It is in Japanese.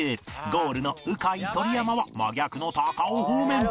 ゴールのうかい鳥山は真逆の高尾方面